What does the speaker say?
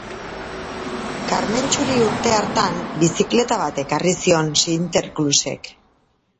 Karmentxuri, urte hartan, bizikleta bat ekarri zion Sinterklaasek.